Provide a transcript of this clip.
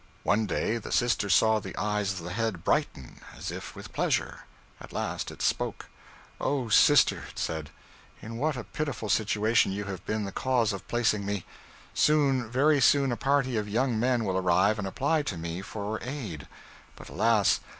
One day the sister saw the eyes of the head brighten, as if with pleasure. At last it spoke. 'Oh, sister,' it said, 'in what a pitiful situation you have been the cause of placing me! Soon, very soon, a party of young men will arrive and apply to me for aid; but alas!